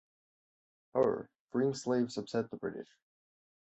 However, freeing slaves upset the British.